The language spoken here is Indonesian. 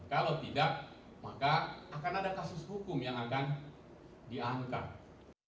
kalau tidak maka akan ada kasus hukum yang akan diangkat